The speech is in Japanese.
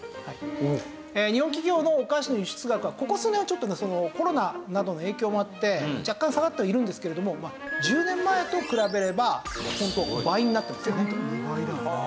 日本企業のお菓子の輸出額はここ数年はちょっとねコロナなどの影響もあって若干下がってはいるんですけれども１０年前と比べればホント倍になってますよね。